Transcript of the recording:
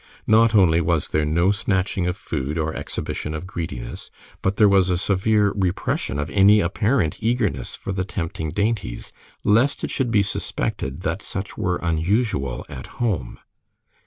Not only was there no snatching of food or exhibition of greediness, but there was a severe repression of any apparent eagerness for the tempting dainties, lest it should be suspected that such were unusual at home.